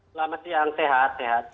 selamat siang sehat sehat